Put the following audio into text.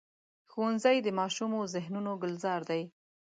ښوونځی د ماشومو ذهنونو ګلزار دی